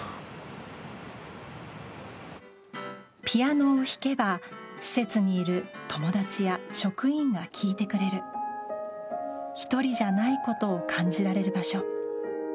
ピアノを弾けば施設にいる友達や職員が聴いてくれる１人じゃないことを感じられる場所。